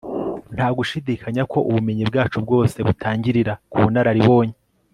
nta gushidikanya ko ubumenyi bwacu bwose butangirira ku bunararibonye